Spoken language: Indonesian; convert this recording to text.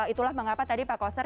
itulah mengapa tadi pak koster